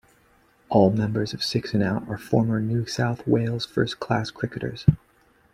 All members of Six and Out are former New South Wales first-class cricketers.